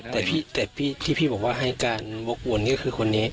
แต่พี่บอกว่าให้การวกวนก็คือคนนี้